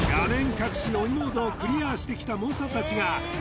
隠しおにモードをクリアしてきた猛者たちが次々と失敗